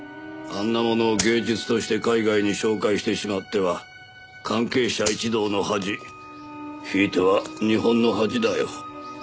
あんなものを芸術として海外に紹介してしまっては関係者一同の恥ひいては日本の恥だよ。